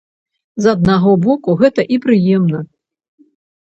З аднаго боку, гэта і прыемна.